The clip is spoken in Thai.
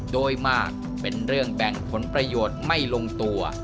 โดยมากเป็นเรื่องแบ่งผลประโยชน์ไม่ลงตัว